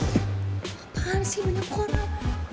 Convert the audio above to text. apaan sih banyak orang